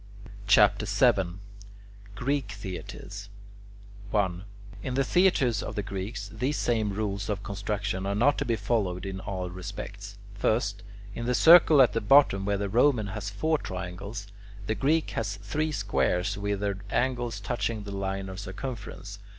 CHAPTER VII GREEK THEATRES 1. In the theatres of the Greeks, these same rules of construction are not to be followed in all respects. First, in the circle at the bottom where the Roman has four triangles, the Greek has three squares with their angles touching the line of circumference.